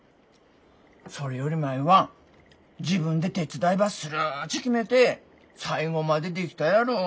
それより舞は自分で手伝いばするっち決めて最後までできたやろ。